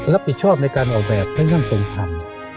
รับผิดชอบในการเป็นไฟสัมสมภาพ